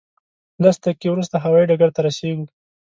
لس دقیقې وروسته هوایي ډګر ته رسېږو.